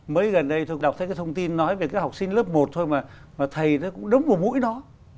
mới gần đây tôi đọc thấy cái thông tin nói về các học sinh lớp một thôi mà thầy nó cũng đấm vào mũi nó